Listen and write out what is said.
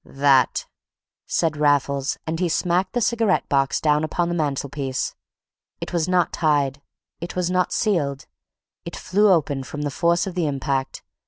"That," said Raffles, and he smacked the cigarette box down upon the mantelpiece. It was not tied. It was not sealed. It flew open from the force of the impact.